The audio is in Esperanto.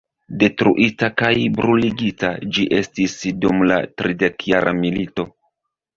Detruita kaj bruligita ĝi estis dum la tridekjara milito.